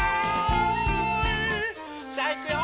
さあいくよ！